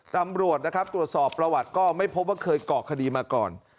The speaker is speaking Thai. ตำรวจนะครับตรวจสอบประวัติก็ไม่พบว่าเคยเกาะคดีมาก่อน